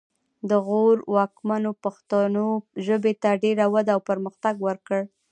د غور واکمنو پښتو ژبې ته ډېره وده او پرمختګ ورکړ